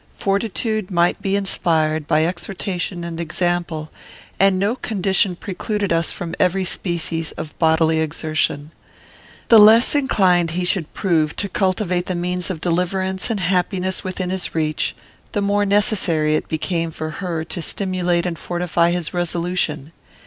Fortitude might be inspired by exhortation and example, and no condition precluded us from every species of bodily exertion. The less inclined he should prove to cultivate the means of deliverance and happiness within his reach, the more necessary it became for her to stimulate and fortify his resolution.